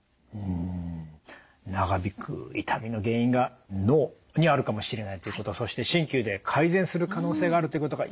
ん長引く痛みの原因が脳にあるかもしれないということそして鍼灸で改善する可能性があるということがよく分かりました。